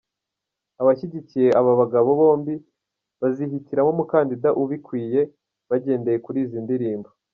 Abashyigikiye aba bagabo bombi, bazihitiramo umukandida ubikwiye bagendeye kuri izi ndirimbo.